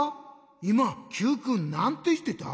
いまＱくんなんていってた？